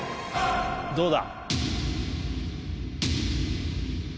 どうだ。